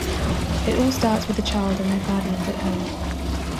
It all starts with the child and their guardians at home.